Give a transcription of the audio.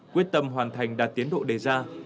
quyết tâm hoàn thành đạt tiến độ đề ra